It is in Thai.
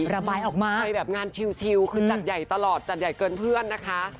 ระบายออกมาไปแบบงานชิวคือจัดใหญ่ตลอดจัดใหญ่เกินเพื่อนนะคะ